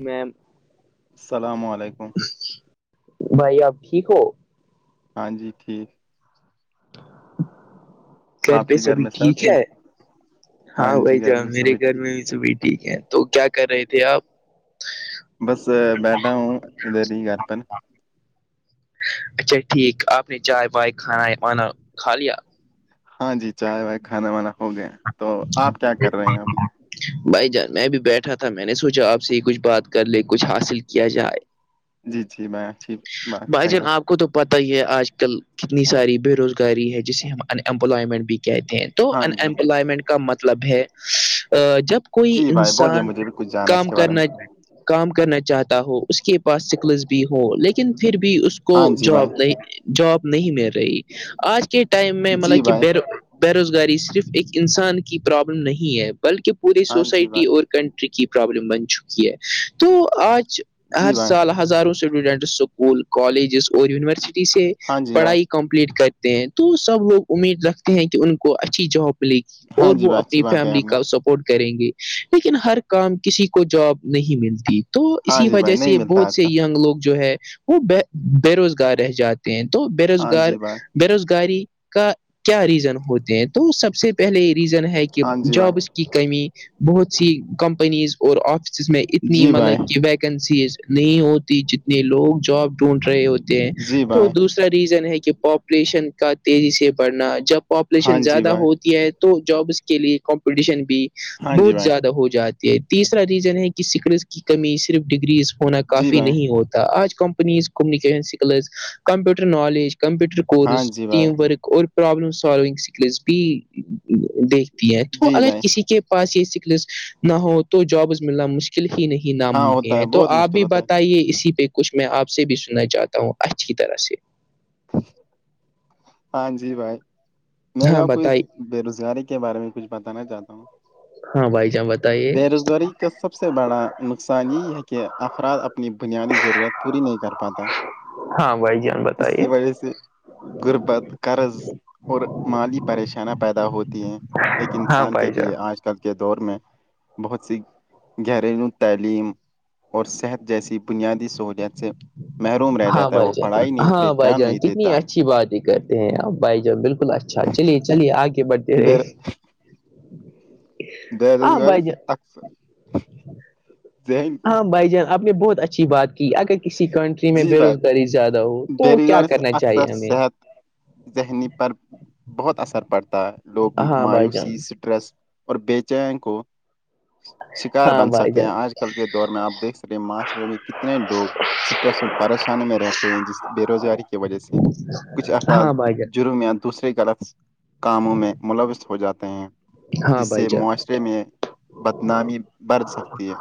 میم السلام علیکم بھائی آپ ٹھیک ہو ہاں جی ٹھیک گھر آپ پہ کے سبھی میں سب ٹھیک ہے ہاں جی بھائی گھر میں جان میرے سبھی گھر ٹھیک میں بھی ٹھیک ہے تو کیا کر رہے تھے آپ بس بیٹھا ہوں ادھر ہی گھر پرن اچھا ٹھیک آپ نے چائے وائے کھانا وانا کھا لیا ہاں جی چائے وائے کھانا وانا ہو گیا تو آپ کیا کر رہے ہیں اب بھائی جان میں بھی بیٹھا تھا میں نے سوچا آپ سے یہ کچھ بات کر لے کچھ حاصل کیا جائے جی جی میں اچھی بات کہی آپ پتہ ہی ہے آج کل کتنی ساری بے روزگاری ہے جسے ہم ان امپلائمنٹ بھی کہتے ہیں تو ہاں ان جی امپلائمنٹ کا مطلب ہے جب کوئی جی بھائی بولیے انسان مجھے بھی کچھ جانا ہے اس کام کے بارے کرنا میں کام کرنا چاہتا ہو اس کے پاس سکلس بھی ہ لیکن پھر بھی اس کو ہاں جی جاب بھائی نہیں جاب نہیں مل رہی آج کے ٹائم میں جی مطلب کہ بھائی بے بےروزگاری صرف ایک انسان کی پرابلم نہیں ہے بلکہ پوری ہاں جی سوسائٹی بھائی اور کنٹری کی پرابلم بن چکی ہے تو آج ہر جی بھائی سال ہزاروں اسٹوڈنٹ اسکول کالجز اور یونیورسٹی سے ہاں جی بھائی پڑھائی کے کمپلیٹ کرتے ہیں تو سب لوگ امید رکھتے ہیں کہ ان کو اچھی جاب ملی ہاں اور جی وہ بھائی اچھی اپنی بات کہ فیملی آپ نے کا سپورٹ کریں گے لیکن ہر کام کسی کو جاب نہیں ملتی تو ہاں اسی جی بھائی وجہ نہیں سے ملتا بہت آج سے کل ینگ لوگ جو ہے وہے بے روزگار رہ جاتے ہیں تو بے ہاں روزگار جی بھائی بے روزگاری کا کیا ریزن ہوتے ہیں تو سب سے پہلے ریزن ہے کہ ہاں جی بھائی جابس کی کمی بہت سی کمپنیز اور آفس جس میں اتنی جی بھائی مطلب کہ ویکنسیز نہیں ہوتی جتنے لوگ جاب ڈھونڈ رہے ہو ہیں جی تو بھائی دوسرا ریزن ہے کہ پاپولیشن کا تیزی سے بڑھنا جب ہاں پاپولیشن جی زیادہ بھائی ہوتی ہے تو جابس کے لیے کمپٹیشن بھی ہاں جی بہت بھائی زیادہ ہو جاتی تیسرا ریزن ہے کہ سکڑس کی کمی صرف ڈگریز ہونا جی کافی بھائی نہیں ہوتی آج companies communication skills computer knowledge computer ہاں کورس جی بھائی ٹیم ورک اور پرابلم سالونگ سکلس بھی دیکھ تو جی اگر بھائی کسی کے پاس یہ سکلس نہ ہو تو جابس ملنا مشکل ل ہی نہیں ہاں ناممکن ہوتا ہے تو بہت آپ مشکل بھی ہوتا ہے بتائیے اسی پہ کچھ میں آپ سے بھی سننا چاہتا ہوں اچھی طرح سے ہاں جی بھائی میں بھی ہاں کوئی بتائیے بے روزگاری کے بارے میں کچھ بتانا چاہتا ہوں ہاں بھائی جان بتائیے بے روزگاری کا سب سے بڑا نقصان یہ ہے کہ افراد اپنی بنیادی ضرورت پوری نہیں کر پاتا ہاں بھائی جان بتا اس کی وجہ سے غربت قرض اور مالی پریشانیاں پیدا ہوتی ہیں ایک ہاں انسان کے بھائی جان لیے آج کل کے دور میں بہت سی گھریلو تعلیم اور صحت جیسی بنیادی سہولیات سے محروم رہ جاتا ہے وہ پڑھائی نہیں ب بھ جان کتنی اچھی بات ہی کرتے ہیں آپ بھائی جان بالکل اچھا چلیے چلیے آگے بڑھتے بیر رہے ہاں بیروزگاری بھائی سے جان اکثر ذہن بھائی جان آپ نے بہت اچھی بات کی اگر کسی کنٹری میں جی بے بھائی روزگاری زیادہ ہو تو کیا بےروزگاری سے کرنا چاہیے اکثر ہمیں صحت ذہنی پر بہت اثر پڑتا ہے لوگ ہاں بھائی جان مایوسی سے ڈریس اور بیچین کو شکار ہاں بن بھائی سکتے ہیں جان آج کل کے دور میں آپ دیکھ سکے ہیں معاشرے میں کتنے لوگ سٹ پریشانی میں رہتے ہیں جس بے روزگاری کی وجہ سے کچھ افراد ہاں بھائی جان جرم یا دوسرے غلط کاموں میں ملوث ہو جاتے ہیں ہاں جس بھائی سے جان معاشرے میں بدنامی بڑھ سکتی ہے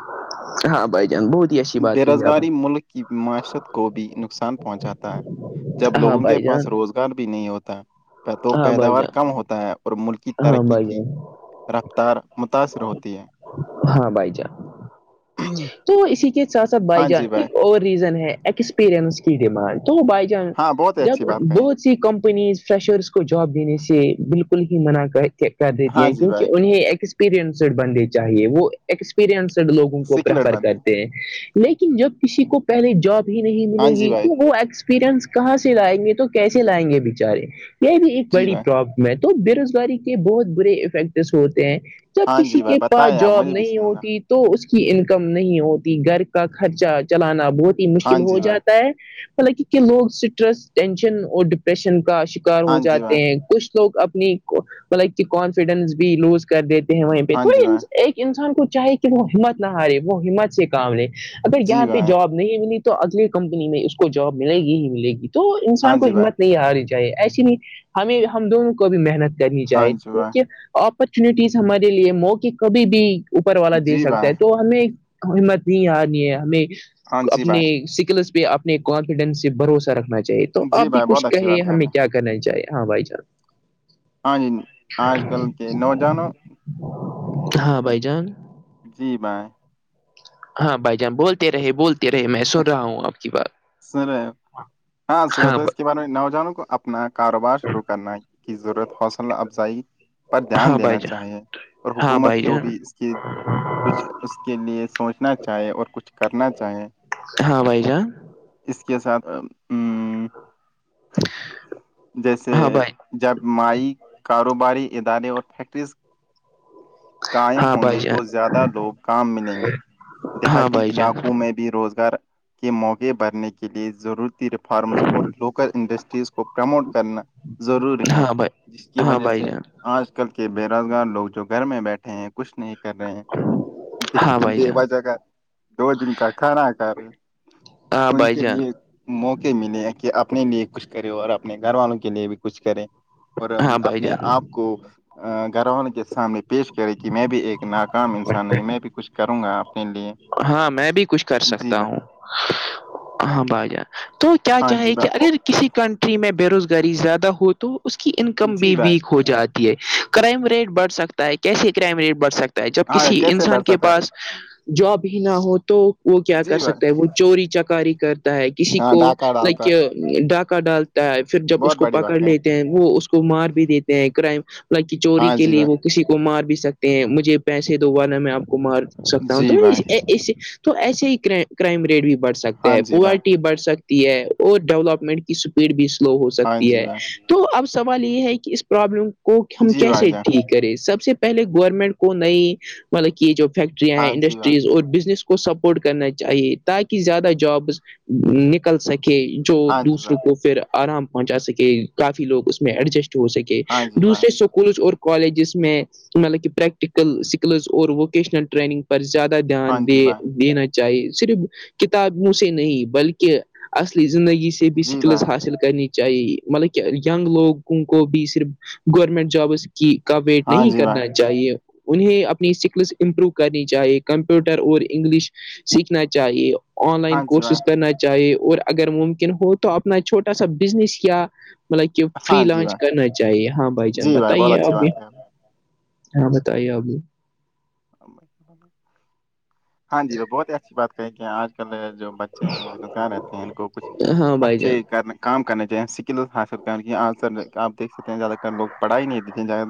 ہاں بھائی جان بہت ہی اچھی بات بے کہی آپ نے روزگاری ملک معیشت کو بھی نقصان پہنچاتا ہے جب نے ہاں لوگوں کے بھائی جان پاس روک روزگار بھی نہیں ہوتا تو ہاں بھائی پیداوار جان کم ہوتا ہے اور ملک کی ہاں ترقی بھائی کی جان رفتار متاثر ہوتی ہے ہاں بھائی جان تو اسی کے ساتھ ساتھ بھائی ہاں جان جی ایک اور ریزن ہے ایکسپیرئنس کی ڈیمانڈ تو بائی چانس ہاں بہت ہی جب اچھی بات کہیں بہت کمپنیز فشرس کو جاب دینے سے بالکل ہی منع کر تھے کر دیتی ہاں ہیں جی بھائی کیونکہ انہیں ایکسپیرئنسڈ بننے چاہیے وہ ایکسپریئنسڈ لوگوں کو سکلٹ پریفر بند کرتے ہیں لیکن جب کسی کو پہلے جاب نہیں ہاں ملے جی گی بھائی تو وہ ایکسپیرئنس کہاں سے لائیں گے تو کیسے لائیں گے بےچارے یہ بھی ایک جی بڑی بھائی پرابلم ہے تو بے روزگاری کے بہت برے افیکٹس ہوتے ہیں جب ہاں کسی جی بھائی کے پاس بتائیں آپ جاب مجھے بھی نہیں سنوں گا ہوتی تو اس کی انکم نہیں ہوتی گھر کا خرچہ چلانا بہت ہی ہاں مشکل ہو جی بھائی جاتا ہے حالانکہ کہ لوگ اسٹریس ٹینشن اور ڈپریشن کاک ار ہو ہاں جی بھائی جاتے ہیں کچھ لوگ اپنیطلب کی کانفیڈنس بھی لوز کر دیتے ہیں وہیں پہ ہاں تو جی بھائی ایک انسان کو چاہے کہ وہ ہمت نہ ہارے وہ ہمت سے کام لیں اگر جی یہاں پہ بھائی جاب نہیں ملی تو اگلی کمپنی میں اس کو جاب ملے گی ہی ملے گی تو ہاں انسان کو جی بھائی ہمت نہیں ہنی چاہیے ایسی نہیں ہمیں ہم دونوں کو بھی محنت کرنی ہاں چاہے جی بھائی کیونکہ اپرچوونٹیز ہمارے لیے مو کےع کبھی بھی اوپر والا دے جی سکتا بھائی ہے تو ہمیں قمت نہیں آنی ہے ہمیں ہاں جی اپنے بھائی سکلس پہ اپنے کانفیڈینس سے بھروسہ رکھنا چاہیے تو آپ جی بھی بھائی کچھ بہت اچھی کہے بات کہ آپ نے ہمیں کیا کرنا چاہے ہاں بھائی جان ہاں جی آج کل کے نوجوانوں ہاں بھائی جان جی بائے ہاں بھائی جان بولتے رہے بولتے رہے میں سن رہا ہوں آپ کی بات سن رہے ہو ہاں سنو تو اس کے بارے میں نوجوانوں کو اپنا کاروبار شروع کرنا کی ضرورت حوصلہ افزائی پر دھیان ہاں بھائی دینا جان چاہیے اور ہاں حکومت بھائی کو جان بھی اس کی کچھ اس کے لیے سوچنا چاہیں اور کچھ کرنا چاہے ہاں بھائی جان اس کے ساتھ [inaudible] جیسے ہاں بھائی جب مائی کاروباری ادارے اور فیکٹریز قائم ہاں ہوں گے بھائی جان تو زیادہ لوگ کام ملیں گے ہاں دیہاتی بھائی جان علاقوں میں بھی روزگار کے موقع بڑھنے کے لئے ضرورت فارمز اور لوکل انڈسٹریز کو پرموٹ کرنا ضروری ہے ہاں بھائی جس کی ہاں وجہ بھائی سے جان آج کل کے بے روزگار لوگ جو گھر میں بیٹھے ہیں کچھ نہیں کر رہے ہیں ہاں بھائی بے و جان جہ کا دو دن کا کھانا ک رہے ہاں ان بھائی کے جان لیے موقع ملے کہ اپنے لیے کچھ کرے اور اپنے گھر والوں کے لیے بھی کچھ کریں اور ہاں بھائی اپنے جان آپ کو گھرووں کے سامنے پیش کریں کہ میں بھی ایک ناکام انسان نہیں میں بھی کچھ کروں گا آپ ہاں میں بھی کچھ کر سکتا بھائی ہوں ہاں بھائی جان تو کیا ہاں جی چاہے کہ بھائی اگر کسی کنٹری میں بے روزگاری زیادہ ہوت تو اس کی انکم جی بھی بھائی ویک ہو جاتی ہے کرائم ریٹ بڑھ سکتا ہے کیسے کرائم ریٹ بڑھ سکتا جب ہاں کسی کیسے انسان کے برسات ہے پاس جاب ہی نہ ہو تو وہ کیا کر جی بھائی سکتا ہے وہ چوری چکاری کرتا ہے کسی ہاں کو ڈھاکہ لائک ڈالتا ہے ڈاکہ ڈال ہے پھر جب اس بہت کو بڑی پکڑ بات ہے لیتے ہیں وہ اس کو مار بھی دیتے ہیں کرائم لہ چوری ہاں کے جی لیے وہ بھائی کسی کو مار بھی سکتے ہیں مجھے پیسے دو ورنا میں آپ کو مار سکتا ہوں تو جی بھائی اس تو ایسے ہی کرائم ریٹ بھی بڑھ سکتے ہاں ہیں جی بھائی پوورٹی بڑھ سکتی ہے اور ڈیولپمنٹ کی اسپیڈ بھی سلو ہو ہاں سکتی جی ہے بھائی تو اب سوال یہ ہے کہ اس پرابلم کو ہم جی بھائی کیسے جان ٹھیک کریں سب سے پہلے گورنمنٹ کو نئی مطلب کہ جو فیکٹریاں ہیں ہاں جی بھائی انڈسٹریز اور بزنس کو سپورٹ کرنا چاہیے تاکہ زیادہ جابس نکل سکیں جو ہاں جی بھائی دوسروں کو پھر آرام پہنچا سکے کافی لوگ اس میں ایڈجسٹ ہو سکے ہاں جی بھائی دوسرے سو اسکولز اور کالجز میں مطلب کہ پریکٹیکل اسکلز اور ووکیشنل ٹریننگ پر زیادہ ہاں دھیان دے جی بھائی دینا چاہیے صرف کتابوں سے نہیں بلکہ اصلی زندگی سے بھی جی شکلس بھائی حاصل کرنی چاہیے مطلب کہ نگ لوگوں کو بھی صرف گورمنٹ جابس کا ویٹ ہاں نہیں جی بھائی کرنا چاہیے انہیں اپنی سکس امپروو کرنی چاہیے کمپیوٹر اور انگلش سیکھنا چاہیے آن لائن ہاں جی بھائی کورسز کرنا چاہیے چاہے اور اگر ممکن ہو تو اپنا چھوٹا سا بزنس کیا مطلب کہ فری ہاں جی لانچ بھائی کرنا چاہیے ہاں بھائی جان جی بہت بتائیے اچھی اب بات ہے آپ نے ہاں بتائیے ابھی ہاں جی بہت ہی اچھی بات کہیں گی آج کل جو بچے ہیں بے روزگار رہتے ہیں ان کو کچھ ہاں بھائی جان اچھے کر کام کرنے چاہ سکل حاصل آ سر آپ دھ سکتے ہیں زیادہ تر لوگ پڑھائی ہی نہیں دیتے ہیں زیادہ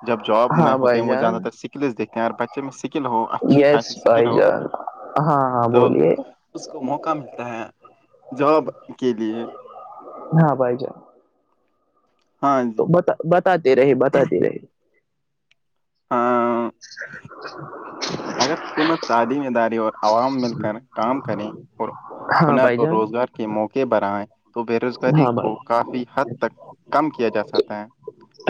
تر جب جاب میں ہاں ہوتے ہیں بھائی وہ زیادہ جان تر سکلس دیکتے ہیں اور بچے میں سکل ہو اچھی یس خاصی سکل بھائی ہو جان ہاں ہاں تو بولیے اس کو موقع ملتا ہے جاب کے لیے ہاں بائی جے ہاں جی بتا بتاتے رہے بتاتے رہی ہاں [inaudible] [unintelligible] اگر حکومت تعلیم اداری اور عوام مل کر کام کرے اور ہاں خنال بھائی اور جان روزگار کے موقع پرر آیں تو بے روزگاری ہاں کو بھائی کافی حد تک کم کیا جا سکتا ہے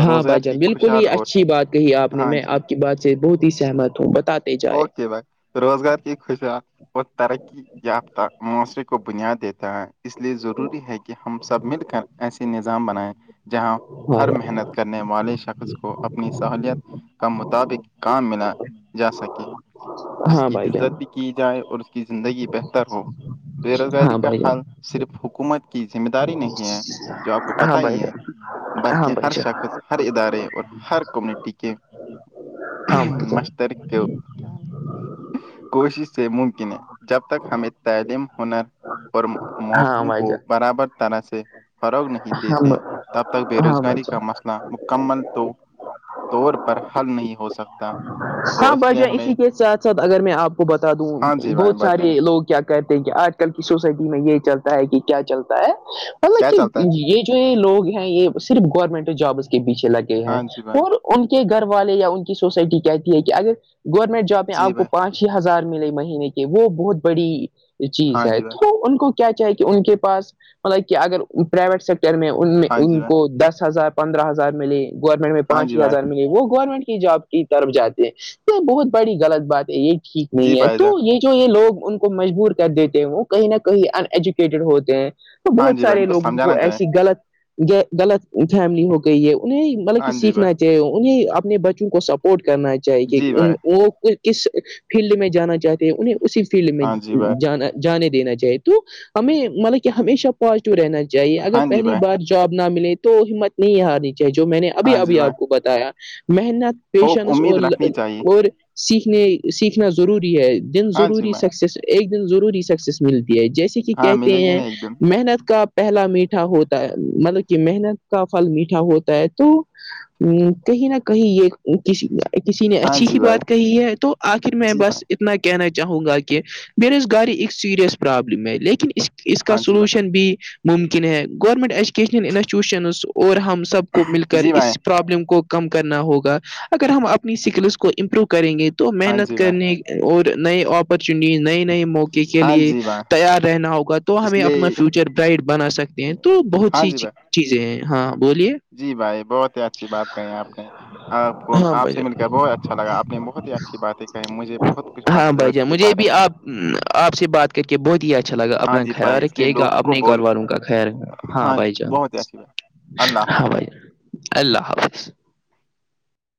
ہاں بھائی روزگار کی جان بالکل ہی خوشحال اور اچھی بات کہی آپ نے ہاں میں جی آپ کی بات سے بہت ہی سہمت ہوں بتات اوکے بائے روزگار کی خوشیاات اور ترقی یافتہ معاشرے کو بنیاد دیتا ہے اس لیے ضروری ہے کہ ہم سب مل کر ایسی نظام بنیں جہاں ہاں ہر بھائی محنت کرنے والے شخص کو اپنی سہولت کے مطابق کام ملا جا سکے جس ہاں کی بھائی جان عزت بھی کی جائے اور اس کی زندگی بہتر ہو بے روزگاری ہاں کا بھائی جان حال صرف حکومت کی ذمہ داری نہیں ہے جو آپ کو ہاں پتا بھائی ہی ہے جان ہاں بلکہ بھائی ہر جان شخص ہر ادارے اور ہر کمیونٹی کے ہاں بھائی جان دریکو کوشش سے ممکن ہے جب تک ہمیں تعلیم ہنر اور ہاں موقوں بھائی کو جان برابر طرح سے فروغ نہیں دیتے ہاں تب تک بے ہاں بھائی روزگاری جان کا مسئلہ مکمل تو طور پر حل نہیں ہو سکتا تو ہاں اس لیے باجا ہمیں اسی کے ساتھ ساتھ اگر میں آپ کو بتا دوں ہاں جی بھائی بہت سارے بتائیں لوگ کیا کہتے ہیں کہ آج کل کی سوسائٹی میں یہ چلتا ہے کہ کیا چلتا ہے مطلب کیا کہ چلتا ہے یہ لوگ ہیں یہ صرف گورنمنٹ جابس کے پیچھے لگے ہیں ہاں جی بھائی اور ان کے گھر والے یا ان کی سوسائٹی کہتی ہے کہ اگر گورنمنٹ جاب میں جی آپ کو بھائی پانچ چھ ہزار ملے مہینے کے وہ بہت بڑی چیز ہاں ہے جی بھائی تو ان کو کیا چے کہ ان کے پاس مطلب کہ اگر پرائیویٹ سیکٹر میں ان میں ہاں جی ان بھائی کو دس ہزار پندرہ ہزار ملے گورنمنٹ میں ہاں پانچ جی ہی بھائی ہزار ملے وہ گورنمنٹ کی جاب کی طرف جاتی یہ بہت بڑی غلط بات ہے یہ ٹھیک جی نہیں ہے بھائی تو جان یہ جو یہ لوگ ان کو مجبور کر دیتے ہیں وہ کہیں نہ کہیں ان ایجوکیٹڈ ہوتے ہیں تو ہاں بہت جی بھائی سارے ان لوگوں کو سمجھانا چاہیے ایسی غلط غلط فہملی ہو گئی ہے انہیں مطلب کہ ہاں جی سیکھنا بھائی انہیں اپنے بچوں کو سپورٹ کرنا چاہیے کہ جی ان بھائی وہ کس فیلڈ میں جانا چاہتے ہیں انہیں اسی فیلڈ میں ہاں جی بھائی جانا جانے دینا چاہیے تو ہمیں مطلب کہ ہمیشہ پازیٹیو رہنا چاہیے اگر ہاں جی پہلی بھائی بار جاب نہ ملے تو ہمت نہیں ہارنی چاہیے جو میں نے ابھی ہاں جی ابھی بھائی آپ کو بتایا محنت ہوپ پیشنس امید اور رکھنی چیے سیکھنے سیکھنا ضروری ہے دن ہاں جی ضروری بھائی سکسیس ایک دن ضروری سکسیس ملتی ہے جیسے کہ ہاں کہتے ملے گی ہیں نا ایک دن محنت کا پہلا میٹھا ہوتا ہے مطلب کہ محنت کا پھل میٹھا ہوتا ہے تو کہیں نہ کہیں یہ کسی کسی نے ہاں اچھی ہی جی بھائی بات کہی ہے تو آخر میں جی بھائی بس کہنا چاہوں گا کہ ب روز گاری ایک سیریس پرابلم ہے لیکن اس اس کا ہاں جی بھائی سولوشن بھی ممکن ہے گورنمنٹ ایجوکیشنل انسٹیٹیوشن اور ہم سب کو مل کر جی بھائی اس پرابلم کو کم کرنا ہوگا اگر ہم اپنی اسکلس کو امپروو کریں گے تو تو ہاں محنت جی بھائی کرنے اور نئے اپرچونیٹیز نئے نئے موقعے کے ہاں لیے جی بھائی تیار رہنا ہوگا تو اس ہمیں اپنا لیے فیوچر برائٹ بنا سکتے ہیں تو بہت ہاں سی جی بھائی چیزیں ہیں ہاں بولیے جی بھائی بہت ہی اچھی بات کہی آپ نے آپ کو ہاں آپ بھائی جان۔ سے مل کر بہت اچا بہت کچھ ہاں حاصل ہو بھائی اس جان کے مجھے بارے بھی میں آپ آپ سے بات کر کے بہت ہی اچھا لگا ہاں اپنا جی بھائی خیر اس لیے کے لوگوں کو اپنے گھر بول والوں کا خیر ہاں بھائی جی جان بہت ہی اچھی بات اللہ ہاں حافظ بھائی جان اللہ حافظ